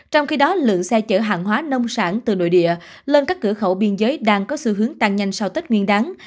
trong khi đó lượng xe chở hàng hóa nông sản từ nội địa lên các cửa khẩu biên giới đang có xu hướng tăng nhanh sau tết nguyên đáng